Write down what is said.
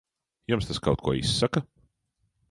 Jums tas kaut ko izsaka?